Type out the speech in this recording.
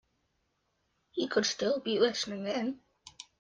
He could still be listening in.